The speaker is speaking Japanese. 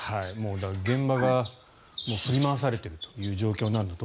現場が振り回されているという状況なんです。